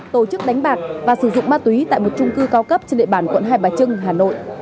tổ chức đánh bạc và sử dụng ma túy tại một trung cư cao cấp trên địa bàn quận hai bà trưng hà nội